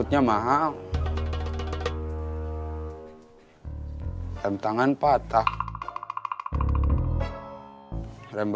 siapa changernya pada wilayah nuour